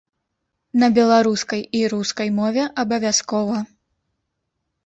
На беларускай і рускай мове, абавязкова.